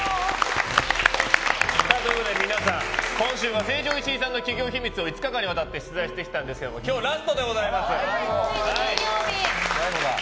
皆さん、今週は成城石井さんの企業秘密を５日間にわたって出題してきたんですけどついに金曜日。